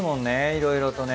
いろいろとね。